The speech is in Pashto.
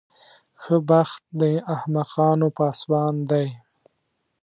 ښه بخت د احمقانو پاسبان دی.